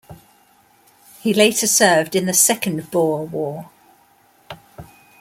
He later served in the Second Boer War.